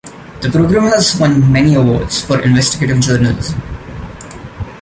The program has won many awards for investigative journalism.